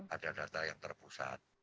ada data yang terpusat